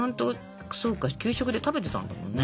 そうか給食で食べてたんだもんね。